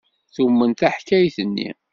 Tumen taḥkayt-nni.